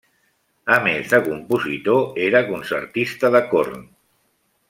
A més de compositor era concertista de corn.